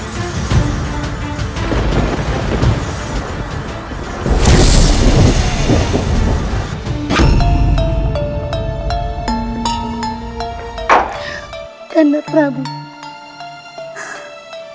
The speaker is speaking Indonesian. tidak ada masalah